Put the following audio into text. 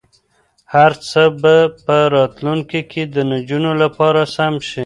هر څه به په راتلونکي کې د نجونو لپاره سم شي.